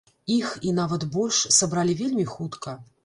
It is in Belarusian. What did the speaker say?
Іх, і нават больш, сабралі вельмі хутка.